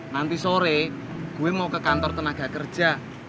nanti sore gue mau ke kantor tenaga kerja